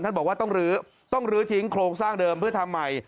บอกว่าต้องลื้อต้องลื้อทิ้งโครงสร้างเดิมเพื่อทำใหม่